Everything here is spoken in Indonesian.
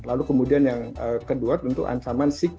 lalu kemudian yang kedua tentu ancaman psikologis